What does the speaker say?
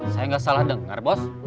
saya nggak salah dengar bos